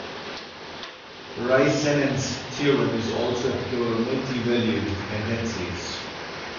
Rissanen's theorem is also applicable on multivalued dependencies.